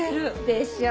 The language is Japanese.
でしょ！